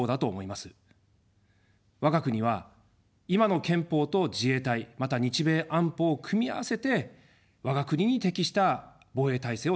我が国は今の憲法と自衛隊、また日米安保を組み合わせて我が国に適した防衛体制を作っています。